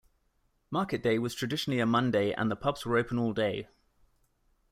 Market day was traditionally a Monday and the pubs were open all day.